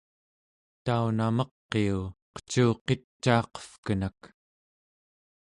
tauna meqiu qecuqicaaqevkenak!